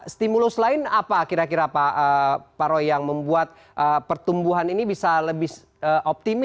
stimulus lain apa kira kira pak roy yang membuat pertumbuhan ini bisa lebih optimis